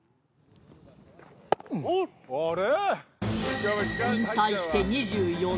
あれ？